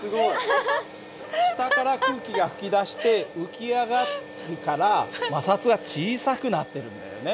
下から空気が噴き出して浮き上がるから摩擦が小さくなってるんだよね。